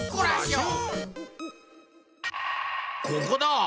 ここだ！